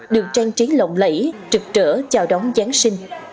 được trang trí lộng lẫy trực trở chào đón giáng sinh